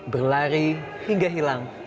berlari hingga hilang